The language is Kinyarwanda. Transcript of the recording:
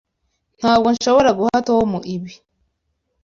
Ntabwo nshobora guha Tom ibi.